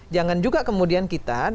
jangan juga kemudian kita